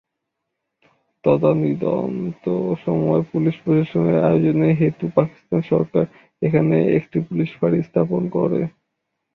তদানিন্তন সময়ে পুলিশ প্রশাসনের প্রয়োজন হেতু পাকিস্তান সরকার এখানে একটি পুলিশ ফাঁড়ি স্থাপন করে।